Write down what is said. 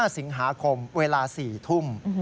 ๕สิงหาคมเวลา๑๖๐๐น